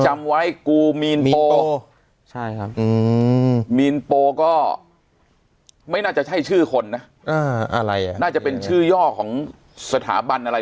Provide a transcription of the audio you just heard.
ไม่น่าจะใช่ชื่อคนนะอะไรน่าจะเป็นชื่อย่อของสถาบันอะไร